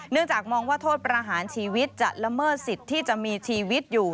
จากมองว่าโทษประหารชีวิตจะละเมิดสิทธิ์ที่จะมีชีวิตอยู่